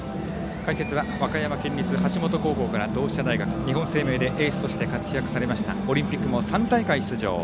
解説は和歌山県立橋本高校から同志社大学日本生命でエースとして活躍されましたオリンピックも３大会出場